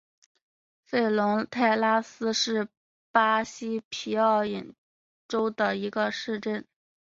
弗龙泰拉斯是巴西皮奥伊州的一个市镇。